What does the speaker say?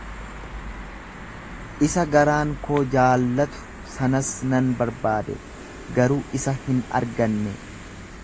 isa garaan koo jaallatu sanas nan barbaade, garuu isa hin arganne.